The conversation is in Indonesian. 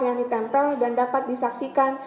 yang dapat disaksikan